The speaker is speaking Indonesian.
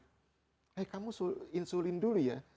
eh kamu insulin dulu ya